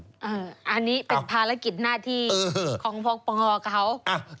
อันนี้เป็นภารกิจหน้าที่ของพอปปงเขา